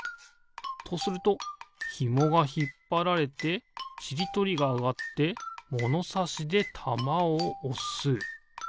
とするとひもがひっぱられてちりとりがあがってものさしでたまをおす。